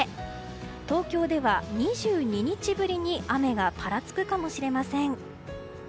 東京では２２日ぶりに雨がぱらつくかもしれませね。